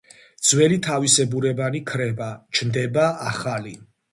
ძველი თავისებურებანი ქრება, ჩნდება ახალი.